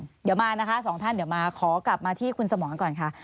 เดี๋ยวมานะคะสองท่านเดี๋ยวมาขอกลับมาที่คุณสมรก่อนค่ะ